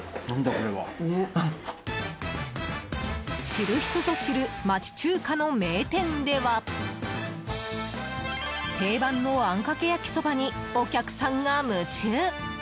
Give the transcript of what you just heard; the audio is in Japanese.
知る人ぞ知る町中華の名店では定番のあんかけ焼そばにお客さんが夢中。